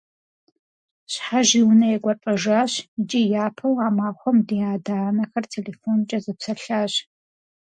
Щхьэж и унэ екӀуэлӀэжащ, икӀи япэу а махуэм ди адэ-анэхэр телефонкӀэ зэпсэлъащ.